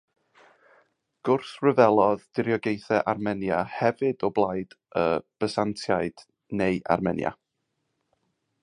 Gwrthryfelodd diriogaethau Armenia hefyd o blaid y Bysantiaid neu Armenia.